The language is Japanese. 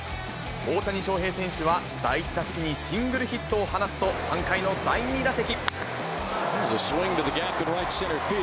大谷翔平選手は、第１打席にシングルヒットを放つと、３回の第２打席。